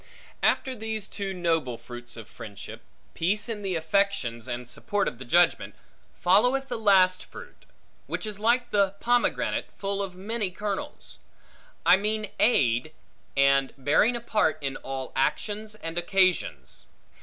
After these two noble fruits of friendship (peace in the affections, and support of the judgment), followeth the last fruit; which is like the pomegranate, full of many kernels; I mean aid, and bearing a part, in all actions and occasions.